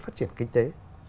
phát triển kinh tế